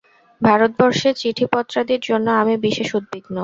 ভারতবর্ষের চিঠিপত্রাদির জন্য আমি বিশেষ উদ্বিগ্ন।